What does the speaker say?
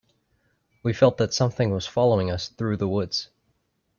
We felt that something was following us through the woods.